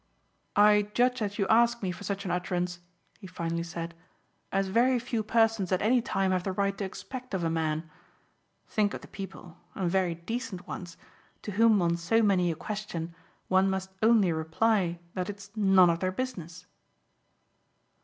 "I judge that you ask me for such an utterance," he finally said, "as very few persons at any time have the right to expect of a man. Think of the people and very decent ones to whom on so many a question one must only reply that it's none of their business."